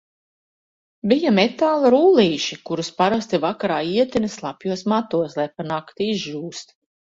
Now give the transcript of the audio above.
Bija metāla rullīši, kurus parasti vakarā ietina slapjos matos, lai pa nakti izžūst.